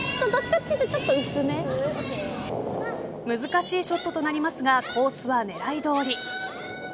難しいショットとなりますがコースは狙いどおり。